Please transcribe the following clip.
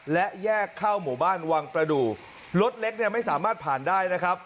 และแยกเข้าหมู่บ้านวังประดูกรถเล็กเนี่ยไม่สามารถผ่านได้นะครับ